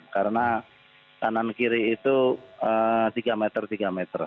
karena kanan kiri itu tiga meter tiga meter